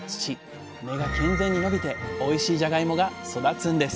根が健全に伸びておいしいじゃがいもが育つんです